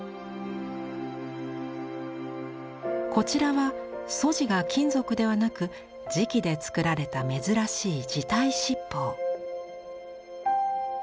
こちらは素地が金属ではなく磁器で作られた珍しい磁胎七宝。